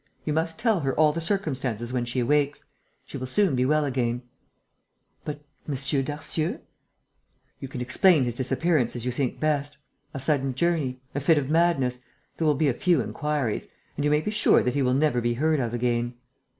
You must tell her all the circumstances when she wakes. She will soon be well again." "But ... M. Darcieux?" "You can explain his disappearance as you think best ... a sudden journey ... a fit of madness.... There will be a few inquiries.... And you may be sure that he will never be heard of again."